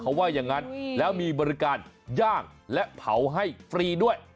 เขาว่าอย่างนั้นแล้วมีบริการย่างและเผาให้ฟรีด้วย